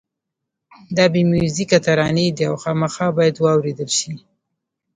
دا بې میوزیکه ترانې دي او خامخا باید واورېدل شي.